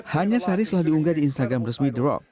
hanya sehari selalu diunggah di instagram resmi the rock